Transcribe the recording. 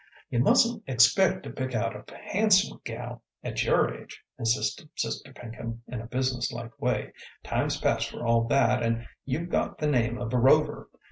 "You mustn't expect to pick out a handsome gal, at your age," insisted Sister Pinkham, in a business like way. "Time's past for all that, an' you've got the name of a rover.